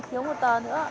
một hai thiếu một tờ nữa